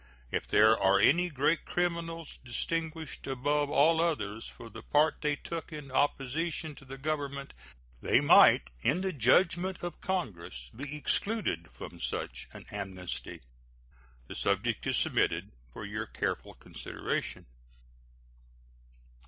If there are any great criminals, distinguished above all others for the part they took in opposition to the Government, they might, in the judgment of Congress, be excluded from such an amnesty. This subject is submitted for your careful consideration.